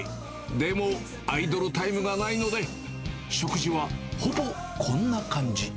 でも、アイドルタイムがないので、食事はほぼこんな感じ。